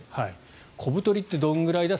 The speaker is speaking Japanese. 小太りってどのくらいだ。